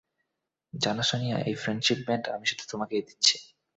জানো সোনিয়া, এই friendship band আমি শুধু তোমাকেই দিচ্ছি।